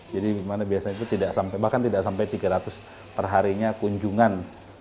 jadi biasanya itu tidak sampai bahkan tidak sampai tiga ratus perharinya kunjungan